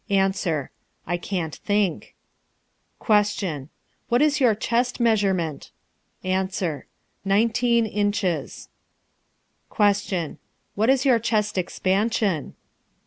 Answer. I can't think. Q. What is your chest measurement? A. Nineteen inches. Q. What is your chest expansion?